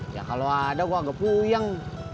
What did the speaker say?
ya kalau ada gue agak puyang